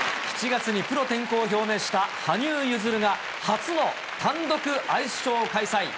７月にプロ転向を表明した羽生結弦が初の単独アイスショーを開催。